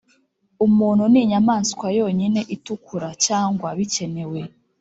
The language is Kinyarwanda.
] umuntu ninyamaswa yonyine itukura. cyangwa bikenewe.